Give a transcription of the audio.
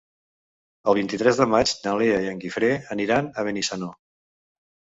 El vint-i-tres de maig na Lea i en Guifré aniran a Benissanó.